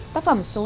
tác phẩm số tám